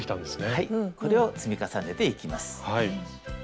はいこれを積み重ねていきます。